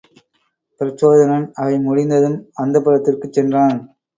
பிரச்சோதனன் அவை முடிந்ததும் அந்தப்புரத்திற்குச் சென்றான்.